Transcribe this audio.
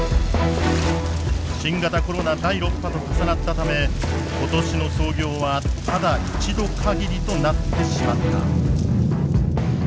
新型コロナ第６波と重なったため今年の操業はただ１度かぎりとなってしまった。